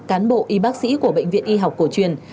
cán bộ y bác sĩ của bệnh viện y học cổ truyền